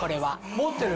持ってる？